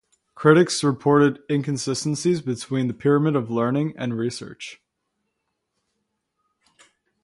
Critics reported inconsistencies between the pyramid of learning and research.